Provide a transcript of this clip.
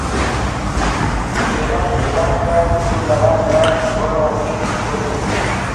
Io‘lak bilakday trubalar bilan o‘rog‘lik bo‘ldi.